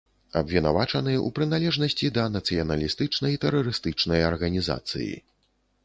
Абвінавачаны ў прыналежнасці да нацыяналістычнай тэрарыстычнай арганізацыі.